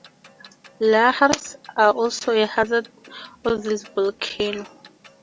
Lahars are also a hazard of this volcano.